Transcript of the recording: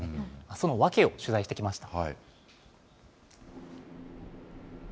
その訳を取材してきました。